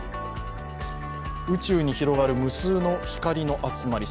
宇宙に広がる無数の光の集まり。